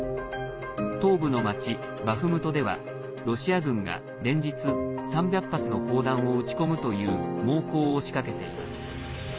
東部の町バフムトではロシア軍が連日３００発の砲弾を撃ち込むという猛攻を仕掛けています。